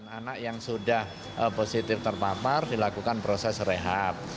anak yang sudah positif terpapar dilakukan proses rehab